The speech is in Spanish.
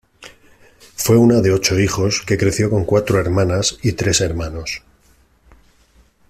Fue una de ocho hijos que creció con cuatro hermanas y tres hermanos.